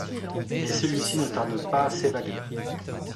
Mais celui-ci ne tarde pas a s’évader.